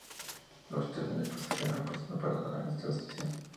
Los trenes de pasajeros no presentan parada en esta estación.